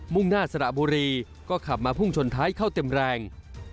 ่งหน้าสระบุรีก็ขับมาพุ่งชนท้ายเข้าเต็มแรง